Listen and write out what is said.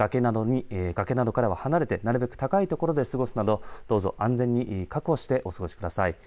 崖などからは離れて、なるべく高いところで過ごすなどどうぞ安全を確保してお過ごしください。